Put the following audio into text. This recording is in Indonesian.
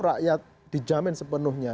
rakyat dijamin sepenuhnya